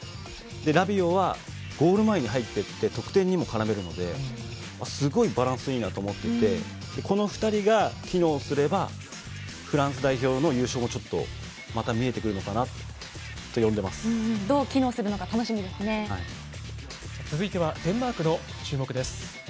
ラビオはゴール前に入っていって得点にも絡めるのですごいバランスいいなと思っていてこの２人が機能すればフランス代表の優勝もちょっとまた見えてくるのかなどう機能するのか続いてはデンマークの注目です。